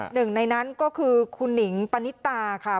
หนึ่งในนั้นก็คือคุณหนิงปณิตาค่ะ